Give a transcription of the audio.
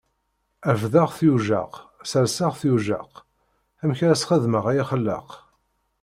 Refdeɣ-t yujjaq, serseɣ-t yujjaq, amek ara sxedmeɣ ay axellaq!